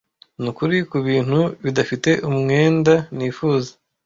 nukuri kubintu bidafite umwenda nifuza